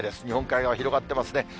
日本海側、広がってますね。